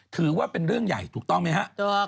ถือว่าเป็นเรื่องใหญ่ถูกต้องไหมครับ